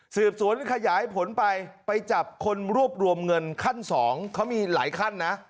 สืบสวนขยายผลไปไปจับคนรวบรวมเงินขั้นสองเขามีหลายขั้นนะ